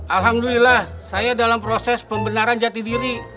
alhamdulillah saya dalam proses pembenaran jati diri